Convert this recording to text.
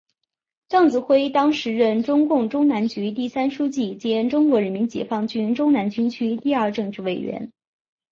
邓子恢当时任中共中南局第三书记兼中国人民解放军中南军区第二政治委员。